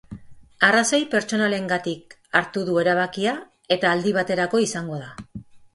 Arrazoi pertsonalengatik hartu du erabakia eta aldi baterako izango da.